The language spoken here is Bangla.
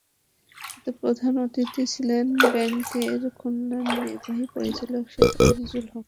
এতে প্রধান অতিথি ছিলেন ব্যাংকের খুলনার নির্বাহী পরিচালক শেখ আজিজুল হক।